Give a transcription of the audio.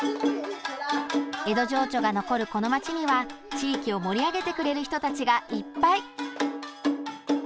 江戸情緒が残る、この街には地域を盛り上げてくれる人たちがいっぱい。